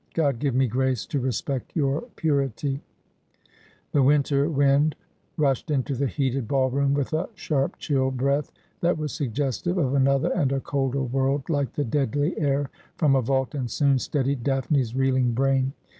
' God give me grace to respect your purity !' The winter wind rushed into the heated ball room with a sharp chill breath that was suggestive of another and a colder world, like the deadly air from a vault, and soon steadied Daphne's reeling brain.